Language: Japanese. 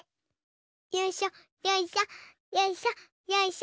よいしょよいしょよいしょよいしょ。